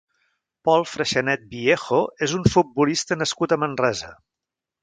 Pol Freixanet Viejo és un futbolista nascut a Manresa.